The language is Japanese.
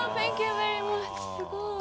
すごい！